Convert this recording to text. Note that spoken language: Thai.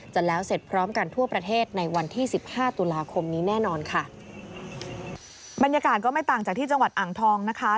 จะแล้วเสร็จพร้อมกันทั่วประเทศในวันที่สิบห้าตุลาคมนี้แน่นอนค่ะบรรยากาศก็ไม่ต่างจากที่จังหวัดอ่างทองนะคะ